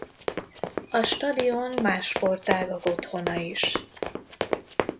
A stadion más sportágak otthona is.